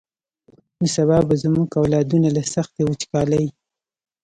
نو سبا به زمونږ اولادونه له سختې وچکالۍ.